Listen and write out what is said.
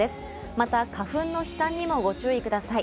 また花粉の飛散にもご注意ください。